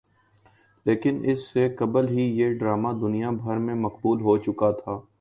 لیکن اس سے قبل ہی یہ ڈرامہ دنیا بھر میں مقبول ہوچکا تھا